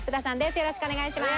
よろしくお願いします。